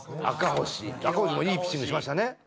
赤星もいいピッチングしましたね。